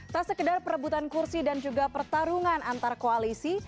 tak sekedar perebutan kursi dan juga pertarungan antar koalisi